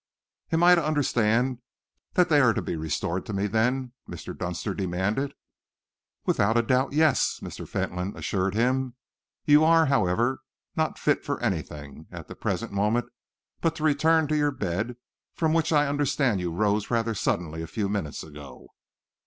"Am I to understand that they are to be restored to me, then?" Mr. Dunster demanded. "Without a doubt, yes!" Mr. Fentolin assured him. "You, however, are not fit for anything, at the present moment, but to return to your bed, from which I understand you rose rather suddenly a few minutes ago."